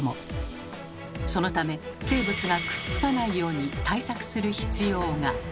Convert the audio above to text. そのため生物がくっつかないように対策する必要が。